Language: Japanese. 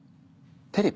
テレビ？